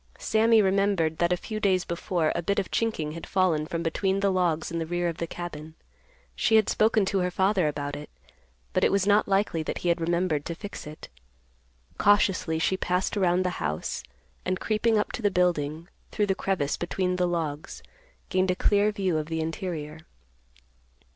Sammy remembered that a few days before a bit of chinking had fallen from between the logs in the rear of the cabin. She had spoken to her father about it, but it was not likely that he had remembered to fix it. Cautiously she passed around the house, and, creeping up to the building, through the crevice between the logs, gained a clear view of the interior.